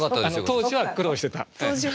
当時は苦労して。